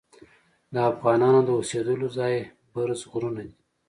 د افغانانو د اوسیدلو ځای برز غرونه دي.